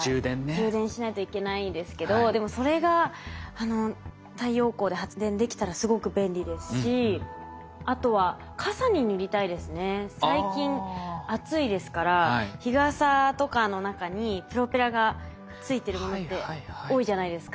充電しないといけないですけどでもそれが太陽光で発電できたらすごく便利ですしあとは最近暑いですから日傘とかの中にプロペラがついてるものって多いじゃないですか。